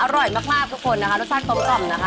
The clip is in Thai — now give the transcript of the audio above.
อร่อยมากทุกคนนะคะรสชาติกลมกล่อมนะคะ